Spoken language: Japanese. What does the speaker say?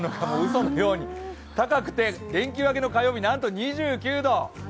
そのように高くて、連休明けの火曜日なんと２９度！